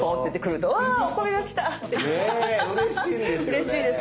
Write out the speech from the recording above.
うれしいです！